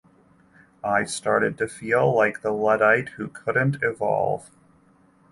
I started to feel like the Luddite who couldn’t evolve.